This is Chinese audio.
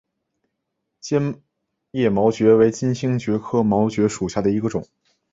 坚叶毛蕨为金星蕨科毛蕨属下的一个种。